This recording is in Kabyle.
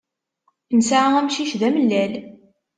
Nesɛa amcic d amellal.